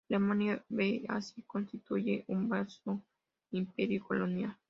Alemania ve así constituirse un vasto imperio colonial.